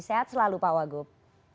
sehat selalu pak wagup